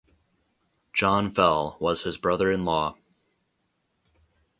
John Fell was his brother-in-law.